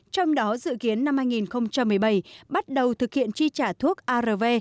trong đó dự kiến năm hai nghìn một mươi bảy bắt đầu thực hiện chi trả thuốc arv